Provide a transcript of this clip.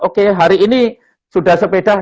oke hari ini sudah sepeda